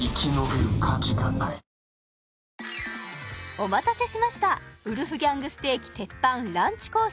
お待たせしましたウルフギャング・ステーキＴＥＰＰＡＮランチコース